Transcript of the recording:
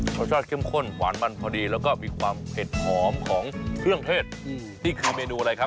รสชาติเข้มข้นหวานมันพอดีแล้วก็มีความเผ็ดหอมของเครื่องเทศนี่คือเมนูอะไรครับ